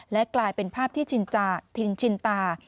และกลายเป็นภาพที่ชินชินตา